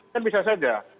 kan bisa saja